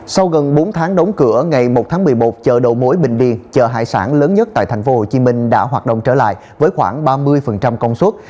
sau gần bốn tháng đóng cửa ngày một tháng một mươi một chợ đầu mối bình điền chợ hải sản lớn nhất tại tp hcm đã hoạt động trở lại với khoảng ba mươi công suất